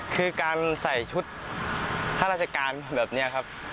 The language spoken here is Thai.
คือการใส่ชุดข้าราชการแบบนี้ครับ